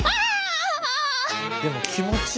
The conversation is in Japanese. でも気持ちいい。